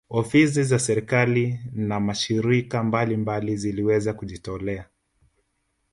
Ofisi za serikali na mashirika mbalimbali ziliweza kujitolea